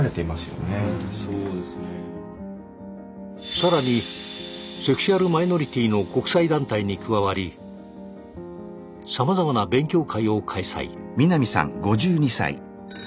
さらにセクシュアルマイノリティの国際団体に加わりさまざまな勉強会を開催。